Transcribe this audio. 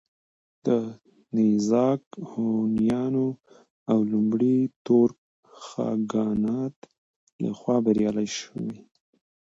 د نېزاک هونيانو او لومړي تورک خاگانات له خوا بريالي شوي